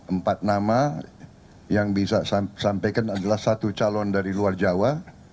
empat nama yang bisa saya sampaikan adalah satu calon dari luar jawa